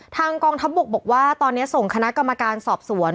กองทัพบกบอกว่าตอนนี้ส่งคณะกรรมการสอบสวน